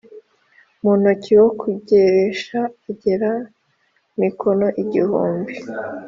mu ntoki wo kugeresha agera mikono igihumbi